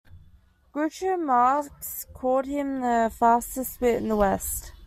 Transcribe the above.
Groucho Marx called him The Fastest Wit in the West.